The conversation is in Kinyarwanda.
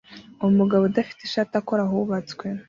Umugabo udafite ishati akora ahubatswe